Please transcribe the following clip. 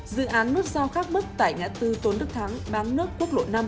dự án nút sao khác mức tại ngã tư tôn đức thắng máng nước quốc lộ năm